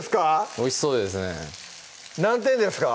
おいしそうですね何点ですか？